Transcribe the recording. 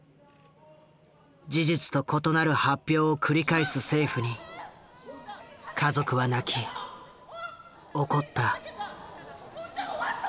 事実と異なる発表を繰り返す政府に家族は泣き怒った。